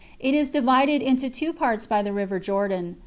It is divided into two parts by the river Jordan.